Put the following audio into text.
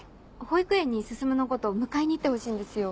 保育園に進のこと迎えに行ってほしいんですよ。